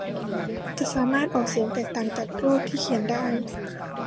จะสามารถออกเสียงแตกต่างจากรูปที่เขียนได้